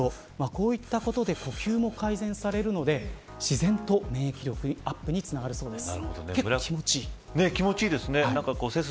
こういったことで呼吸も改善されるので自然と免疫力アップにつながるそうです。